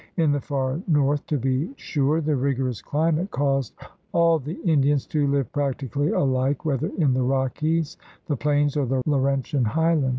In the far north, to be sure, the rigorous climate caused all the Indians to live practically alike, whether in the Rockies, the plains, or the Laurentian highland.